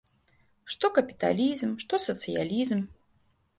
Што капіталізм, што сацыялізм.